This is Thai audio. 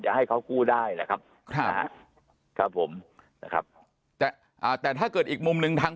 จะให้เขากู้ได้นะครับครับผมนะครับแต่ถ้าเกิดอีกมุมนึงทาง